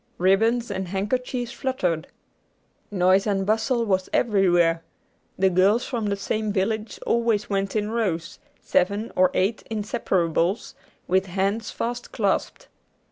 Ribbons and handkerchiefs fluttered. Noise and bustle was everywhere. The girls from the same village always went in rows, seven or eight inseparables, with hands fast clasped.